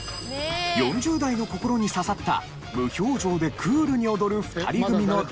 ４０代の心に刺さった無表情でクールに踊る２人組の代表曲。